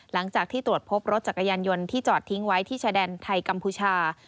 หลังจากที่ตรวจพบรถจักรยานยนต์ที่จอดทิ้งไว้ที่ชายแดนไทยกัมพูชา